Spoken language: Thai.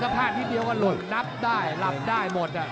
ภาพที่เดียวก็ลดนับได้รับได้หมด